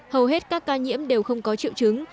hầu hết các ca nhiễm đều không có triệu chứng